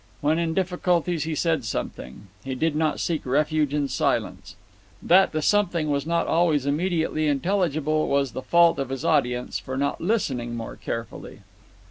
When in difficulties he said something; he did not seek refuge in silence. That the something was not always immediately intelligible was the fault of his audience for not listening more carefully.